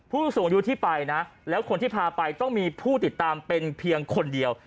ผู้สูงอายุที่ไปนะแล้วคนที่พาไปต้องมีผู้ติดตามเป็นเพียงคนเดียว